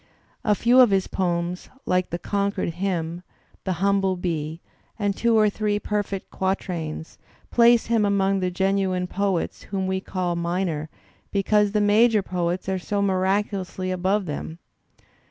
A few of his poems, like the "Concord Hymn,'* "The Humble Bee," and two or three perfect quatrains, place him among the genuine poets whom we call minor because the major poets are so miraculously above them.